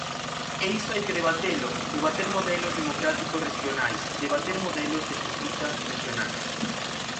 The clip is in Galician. E iso hai que debatelo, debater modelos democráticos rexionais, debater modelos de xustiza rexionais.